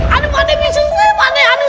aduh pandemi susah ya pandemi